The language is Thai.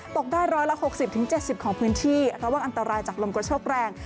ตกได้๑๖๐๗๐ของพื้นที่ระวังอันตรายจากลมกระโชคแรง